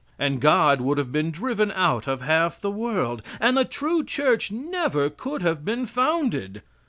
And God would have been driven out of half the world; and the true church never could have been founded.